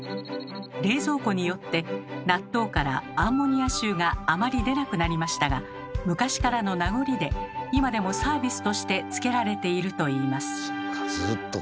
冷蔵庫によって納豆からアンモニア臭があまり出なくなりましたが昔からの名残で今でもサービスとしてつけられているといいます。